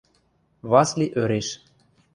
Васли ӧреш.